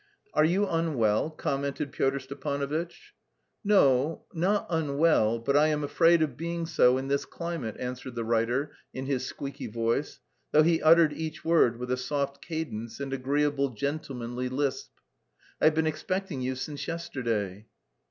"Are you unwell?" commented Pyotr Stepanovitch. "No, not unwell, but I am afraid of being so in this climate," answered the writer in his squeaky voice, though he uttered each word with a soft cadence and agreeable gentlemanly lisp. "I've been expecting you since yesterday."